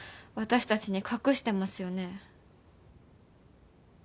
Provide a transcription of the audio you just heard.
私たちに隠してますよね？